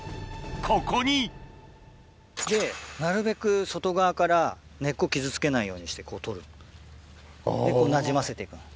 ここにでなるべく外側から根っこ傷つけないようにしてこう取る。でなじませて行く。